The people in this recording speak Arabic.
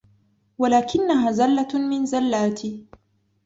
وَلَكِنَّهَا زَلَّةٌ مِنْ زَلَّاتِ